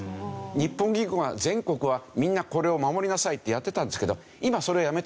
日本銀行が全国はみんなこれを守りなさいってやってたんですけど今はそれやめたんですよ。